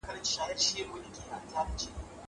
زه له سهاره سړو ته خواړه ورکوم.